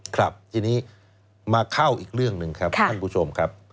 ครับทีนี้มาเข้าอีกเรื่องหนึ่งครับท่านผู้ชมครับ